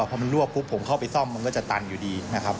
พอมันรวบปุ๊บผมเข้าไปซ่อมมันก็จะตันอยู่ดีนะครับ